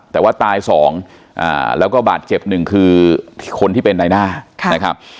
แต่ว่าตายสองแล้วก็บาดเจ็บหนึ่งคือคนที่เป็นนายหน้านะครับ